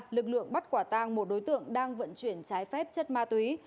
lực lượng bắt quả tang một đối tượng đang vận chuyển trái phép chất ma túy